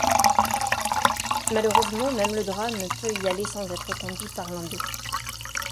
Malheureusement même le drap ne peut y aller sans être conduit par l'un d'eux.